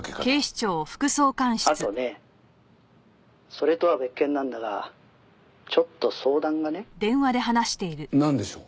「あとねそれとは別件なんだがちょっと相談がね」なんでしょう？